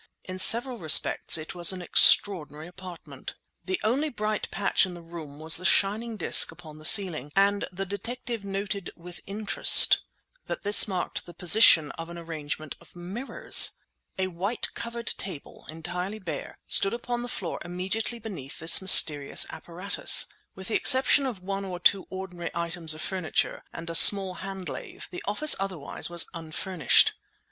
In several respects it was an extraordinary apartment. The only bright patch in the room was the shining disc upon the ceiling; and the detective noted with interest that this marked the position of an arrangement of mirrors. A white covered table, entirely bare, stood upon the floor immediately beneath this mysterious apparatus. With the exception of one or two ordinary items of furniture and a small hand lathe, the office otherwise was unfurnished.